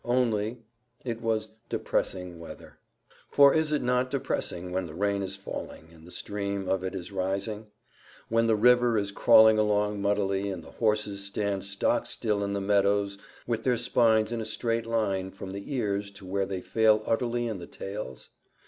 Only it was depressing weather. For is it not depressing when the rain is falling, and the steam of it is rising? when the river is crawling along muddily, and the horses stand stock still in the meadows with their spines in a straight line from the ears to where they fail utterly in the tails?